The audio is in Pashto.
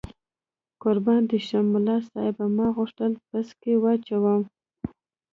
قربان دې شم، ملا صاحب ما غوښتل پسکه واچوم.